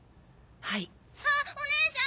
はい。あっおねえさん。